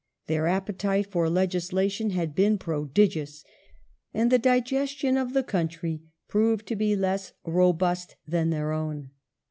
Their appetite for legislation had been uy prodigious, and the digestion of the country proved to be less robust than their own.